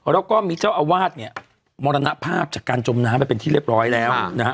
แล้วก็มีเจ้าอาวาสเนี่ยมรณภาพจากการจมน้ำไปเป็นที่เรียบร้อยแล้วนะฮะ